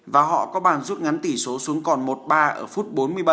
và họ có bàn rút ngắn tỷ số xuống còn một ba ở phút bốn mươi bảy